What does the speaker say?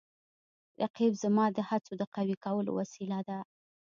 رقیب زما د هڅو د قوي کولو وسیله ده